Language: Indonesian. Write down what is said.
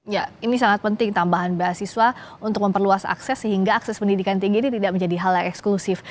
ya ini sangat penting tambahan beasiswa untuk memperluas akses sehingga akses pendidikan tinggi ini tidak menjadi hal yang eksklusif